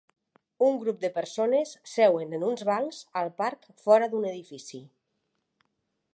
Un grup de persones seuen en uns bancs al parc fora d'un edifici.